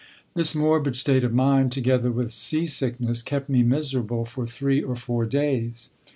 This morbid state of mind, together with sea sickness, kept me miserable for three or four days.